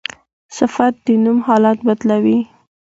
صفت د نوم حالت بدلوي.